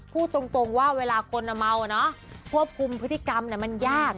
พูดตรงว่าเวลาคนเมาควบคุมพฤติกรรมมันยาก